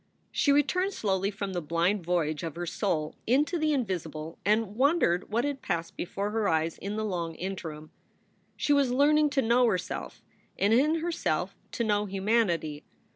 She returned slowly from the blind voyage of her soul into the invisible and wondered what had passed before her eyes in the long interim. She was learning to know herself and in herself to know humanity.